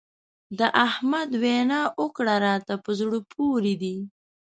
د احمد وينا او کړه راته په زړه پورې دي.